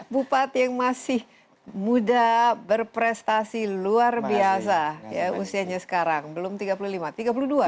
bupati yang masih muda berprestasi luar biasa ya usianya sekarang belum tiga puluh lima tiga puluh dua